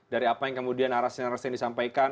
dari apa yang kemudian arah arah yang disampaikan